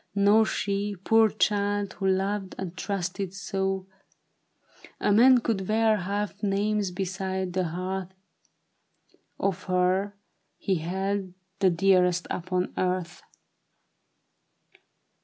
Nor she, poor child, who loved and trusted so, A man could wear half names beside the hearth Of her he held the dearest upon earth